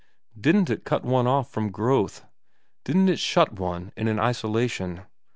Didn't it cut one off from growth ? Didn't it shut one in an isolation ?